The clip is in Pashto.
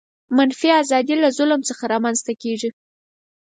منفي آزادي له ظلم څخه رامنځته کیږي.